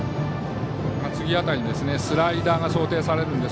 次辺りにスライダーが想定されるんで